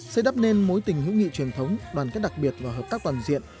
xây đắp nên mối tình hữu nghị truyền thống đoàn kết đặc biệt và hợp tác toàn diện